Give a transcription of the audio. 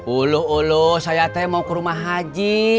ulu ulu saya teh mau ke rumah haji